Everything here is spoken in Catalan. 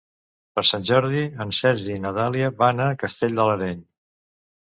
Per Sant Jordi en Sergi i na Dàlia van a Castell de l'Areny.